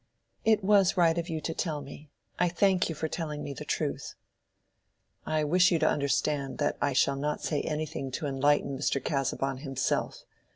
"It was right of you to tell me. I thank you for telling me the truth." "I wish you to understand that I shall not say anything to enlighten Mr. Casaubon himself.